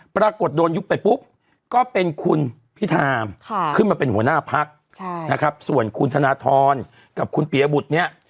ปรากฏโดนยุบไปปุ๊บก็เป็นคุณพิธามขึ้นมาเป็นหัวหน้าพักนะครับส่วนคุณธนทรกับคุณปียบุตรเนี่ย